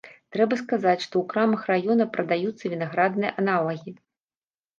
Трэба сказаць, што у крамах раёна прадаюцца вінаградныя аналагі.